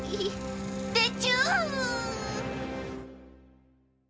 でチュー！